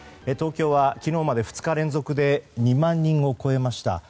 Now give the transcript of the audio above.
東京は昨日まで２日連続で２万人を超えました。